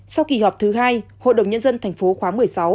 sau kỳ họp thứ hai hội đồng nhân dân thành phố khóa một mươi sáu